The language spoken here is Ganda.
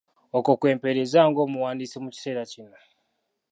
Okwo kwe mpeereza ng’omuwandiisi mu kiseera kino.